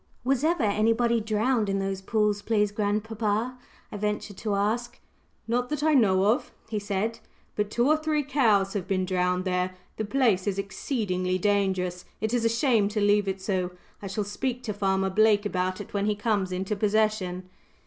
"Was ever anybody drowned in those pools, please, grandpapa?" I ventured to ask. "Not that I know of," he said; "but two or three cows have been drowned there. The place is exceedingly dangerous it is a shame to leave it so. I shall speak to Farmer Blake about it when he comes into possession."